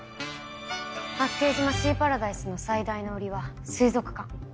八景島シーパラダイスの最大の売りは水族館。